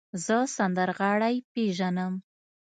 زه سندرغاړی پیژنم.